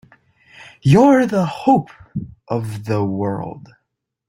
You're the hope of the world!